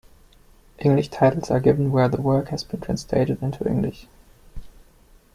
English titles are given where the work has been translated into English.